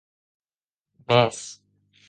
Mès!